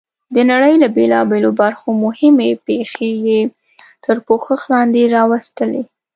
د نړۍ له بېلابېلو برخو مهمې پېښې یې تر پوښښ لاندې راوستلې.